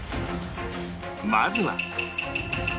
まずは